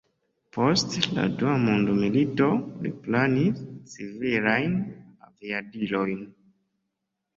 Post la dua mondmilito, li planis civilajn aviadilojn.